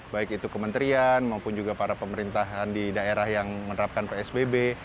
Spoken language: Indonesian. baik itu kementerian maupun juga para pemerintahan di daerah yang menerapkan psbb